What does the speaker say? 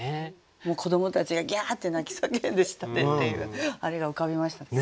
もう子どもたちがギャーッて泣き叫んで下でっていうあれが浮かびましたね。